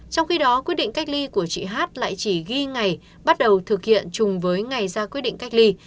trong khi đó quyết định cách ly của chị hát lại chỉ ghi ngày bắt đầu thực hiện chùng với ngày ra quyết định cách ly